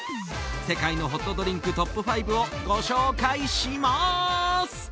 世界のホットドリンクトップ５をご紹介します！